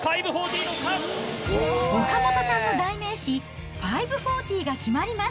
岡本さんの代名詞、５４０が決まります。